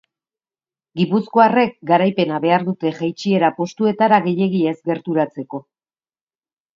Gipuzkoarrek garaipena behar dute jaitsiera postuetara gehiegi ez gerturatzeko.